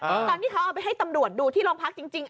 ตอนที่เขาเอาไปให้ตำรวจดูที่โรงพักจริง